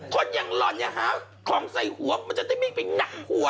คนอย่างหล่อนอย่าหาของใส่หัวมันจะได้ไม่ไปหนักหัว